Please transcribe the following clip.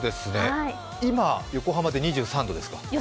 今、横浜で２３度ですか？